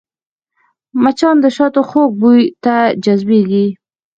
مچان د شاتو خوږ بوی ته جذبېږي